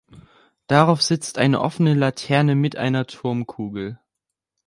Darauf sitzt eine offene Laterne mit einer Turmkugel.